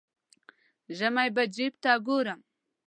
ژمی به جیب ته ګورم.